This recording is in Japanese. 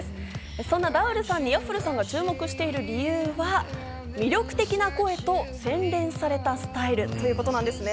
そんなＤｏｕｌさんにＹａｆｆｌｅさんが注目している理由は、魅力的な声と洗練されたスタイルということなんですね。